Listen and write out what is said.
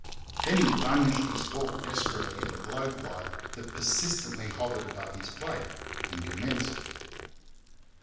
Then he lunged his fork desperately at a blowfly that persistently hovered about his plate, and commenced.